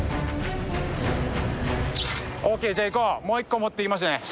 もう１個持っていきますね。